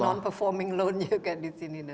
gak ada non performing loan juga disini